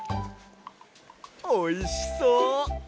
おいしそう！